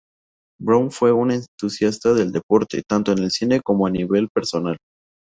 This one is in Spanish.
Brown fue un entusiasta del deporte, tanto en el cine como a nivel personal.